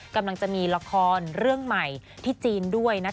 กำลังจะมีละครเรื่องใหม่ที่จีนด้วยนะคะ